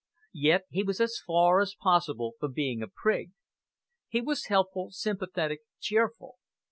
Yet he was as far as possible from being a prig. He was helpful, sympathetic, cheerful.